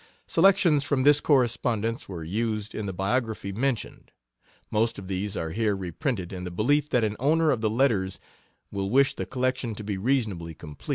Selections from this correspondence were used in the biography mentioned. Most of these are here reprinted in the belief that an owner of the "Letters" will wish the collection to be reasonably complete.